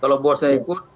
kalau bosnya ikut